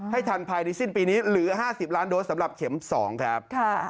ทันภายในสิ้นปีนี้เหลือ๕๐ล้านโดสสำหรับเข็ม๒ครับ